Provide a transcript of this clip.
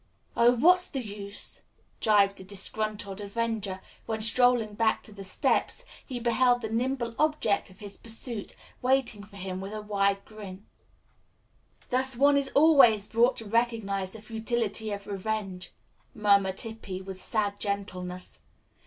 "Oh, what's the use!" jibed the disgruntled avenger, when, strolling back to the steps, he beheld the nimble object of his pursuit waiting for him with a wide grin. "Thus one is always brought to recognize the futility of revenge," murmured Hippy with sad gentleness.